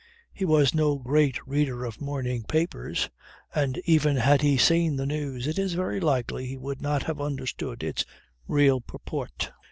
He was no great reader of morning papers, and even had he seen the news it is very likely he would not have understood its real purport.